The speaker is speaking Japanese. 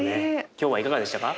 今日はいかがでしたか？